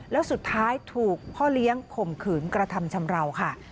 แล้วสุดท้ายถูกพ่อเลี้ยงข่มขืนกระทำชำราวค่ะ